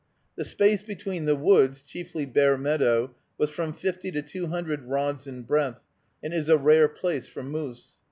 The space between the woods, chiefly bare meadow, was from fifty to two hundred rods in breadth, and is a rare place for moose.